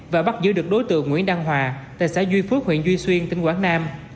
và bắt giữ được đối tượng nguyễn đăng hòa tại xã duy phước huyện duy xuyên tỉnh quảng nam